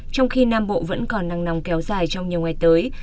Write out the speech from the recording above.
trong khi nam bộ vẫn còn nắng nóng kéo dài trong nhiều ngày tới